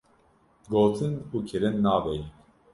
Gotin û kirin nabe yek.